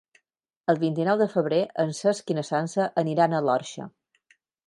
El vint-i-nou de febrer en Cesc i na Sança aniran a l'Orxa.